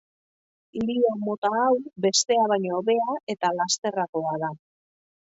Liho mota hau bestea baino hobea eta lasterragoa da.